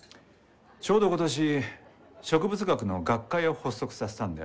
ちょうど今年植物学の学会を発足させたんだよ。